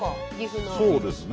そうですね